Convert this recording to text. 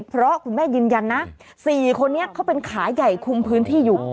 เพราะคุณแม่ยืนยันนะ๔คนนี้เขาเป็นขาใหญ่คุมพื้นที่อยู่